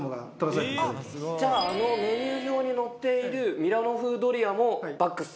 じゃああのメニュー表に載っているミラノ風ドリアもＢＡＸさんが撮られた？